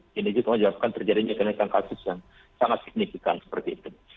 jadi itu menyebabkan terjadinya peningkatan kasus yang sangat signifikan seperti itu